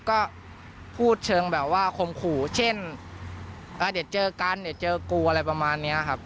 ก็พูดเชิงแบบว่าคมขู่เช่นเดี๋ยวเจอกันเดี๋ยวเจอกูอะไรประมาณนี้ครับ